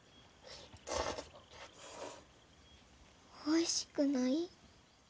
おいしくない？